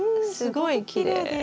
すごいきれい。